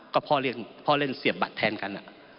ก็พ่อเล่นเสียบบัตรแทนกัน